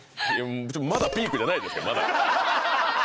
まだピークじゃないですよ、まだ。